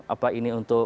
apa ini untuk